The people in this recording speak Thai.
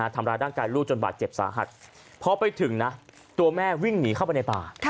ทำร้ายร่างกายลูกจนบาดเจ็บสาหัสพอไปถึงนะตัวแม่วิ่งหนีเข้าไปในป่า